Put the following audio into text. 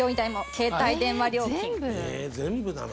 携帯電話料金など。